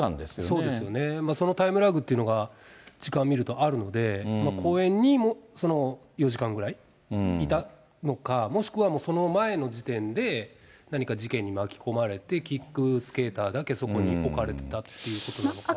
そうですよね、そのタイムラグというのが、時間見るとあるので、公園にも４時間ぐらいいたのか、もしくは、その前の時点で、何か事件に巻き込まれて、キックスケーターだけ、そこに置かれてたっていうことなのか。